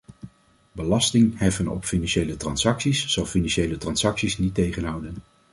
Belasting heffen op financiële transacties zal financiële transacties niet tegenhouden.